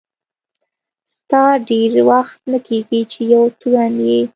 ستا ډېر وخت نه کیږي چي یو تورن یې.